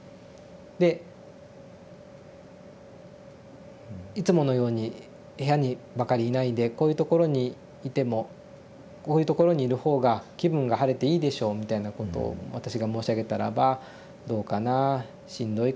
で「いつものように部屋にばかりいないでこういうところにいてもこういうところにいる方が気分が晴れていいでしょう」みたいなことを私が申し上げたらば「どうかなしんどいからね」ってこうおっしゃった。